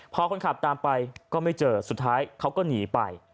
พอคนขับตามไปก็ไม่เจอสุดท้ายเขาก็หนีไป